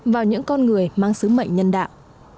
và những con người mang sứ mệnh nhân đạo